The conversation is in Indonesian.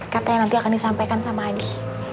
katanya nanti akan disampaikan sama adi